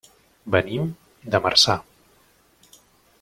Venim de Marçà.